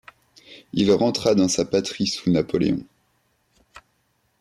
Il rentra dans sa patrie sous Napoléon.